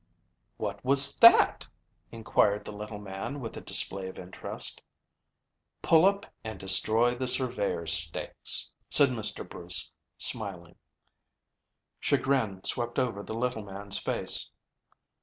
"What was that?" inquired the little man, with a display of interest. "Pull up and destroy the surveyors' stakes," said Mr. Bruce, smiling. Chagrin swept over the little man's face.